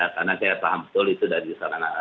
karena saya paham betul itu dari sarana